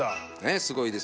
すごいですね。